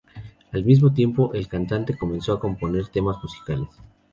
Al mismo tiempo, el cantante comenzó a componer temas musicales.